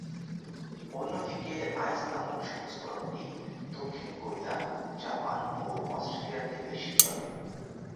অন্যদিকে আইস নামক সংস্করণটি দক্ষিণ কোরিয়া, জাপান ও অস্ট্রেলিয়াতে বেশি চলে।